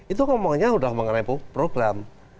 itu ngomongnya sudah mengenai program